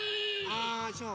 あそう。